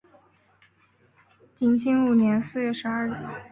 景兴五年四月十二日。